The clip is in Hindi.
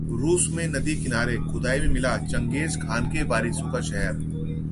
रूस में नदी किनारे खुदाई में मिला चंगेज खान के वारिसों का शहर